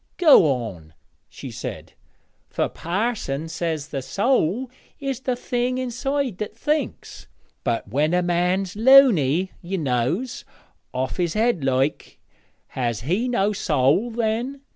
'Go on,' she said, 'for parson says the soäl is the thing inside that thinks; but when a man's luny, ye knows off his head like has he no soäl then?